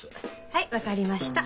はい分かりました。